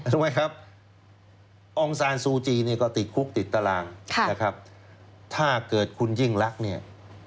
รู้ไหมครับองซานซูจีเนี่ยก็ติดคุกติดตารางนะครับถ้าเกิดคุณยิ่งรักเนี่ย